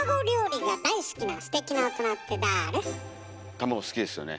卵好きですよね？